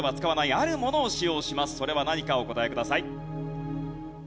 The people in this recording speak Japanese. それは何かをお答えください。